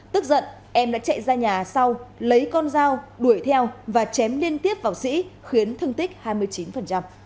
tức giận em đã chạy ra nhà sau lấy con dao đuổi theo và chém liên tiếp vào sĩ khiến thương tích hai mươi chín